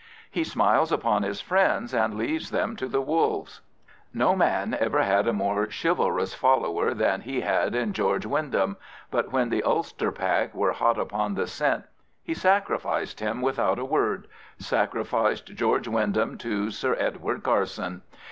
He smiles upon his friends and leaves them to the wolves. No man ever had a more chivalrous follower than he had in George Wyndham, but when the Ulster pack were hot upon the scent he sacrificed him without a word — sacrificed George Wyndham to Sir Edward Carson!